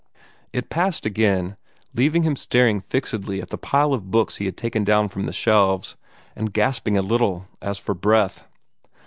It passed again, leaving him staring fixedly at the pile of books he had taken down from the shelves, and gasping a little, as if for breath.